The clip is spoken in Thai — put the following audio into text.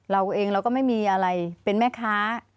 เราเองเราก็ไม่มีอะไรเป็นแม่ค้า